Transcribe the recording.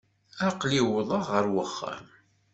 Aql-i uwḍeɣ ɣer uxxam.